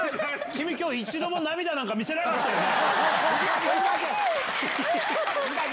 君、きょう、一度も涙なんか見せなかったよね。